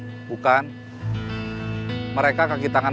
mereka kakitangan mereka yang nyari kamu sama yang lain